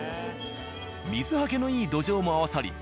水はけのいい土壌も合わさり